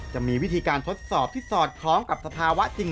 จะมีวิธีการทดสอบที่สอดคล้องกับสภาวะจริง